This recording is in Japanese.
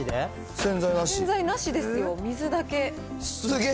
洗剤なしですよ、すげー。